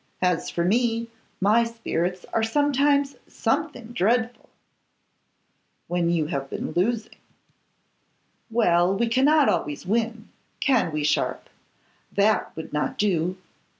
As for me, my spirits are sometimes something dreadful.' 'When you have been losing.' 'Well, we cannot always win. Can we, Sharpe? That would not do.